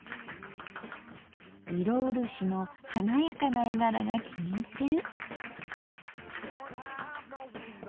色漆の華やかな絵柄が気に入ってる。